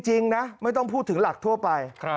จริงนะไม่ต้องพูดถึงหลักทั่วไป